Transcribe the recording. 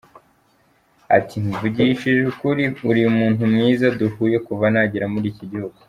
Ati “Mvugishije ukuri uri umuntu mwiza duhuye kuva nagera muri iki gihugu.